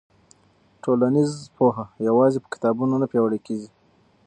ټولنیز پوهه یوازې په کتابونو نه پیاوړې کېږي.